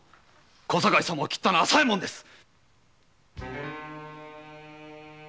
小堺様を斬ったのは朝右衛門です！